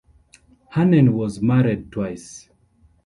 Hannen was married twice.